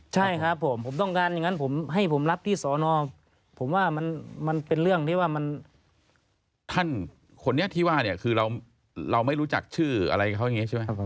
ท่านคนนี้ที่ว่าเนี่ยคือเราไม่รู้จักชื่ออะไรเขาอย่างนี้ใช่ไหม